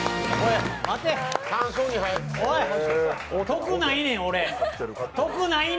おい、得ないねん、俺。